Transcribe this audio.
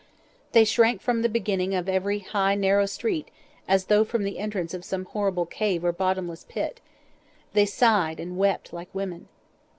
They shrank from the beginning of every high narrow street as though from the entrance of some horrible cave or bottomless pit; they sighed and wept like women.